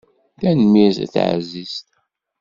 Tanemmirt a taɛzizt.